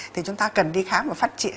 thì chúng ta cần đi khám và phát triển